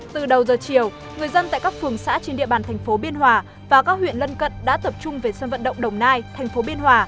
từ đầu giờ chiều người dân tại các phường xã trên địa bàn thành phố biên hòa và các huyện lân cận đã tập trung về sân vận động đồng nai thành phố biên hòa